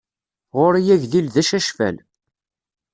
Ɣur-i agdil d acacfal.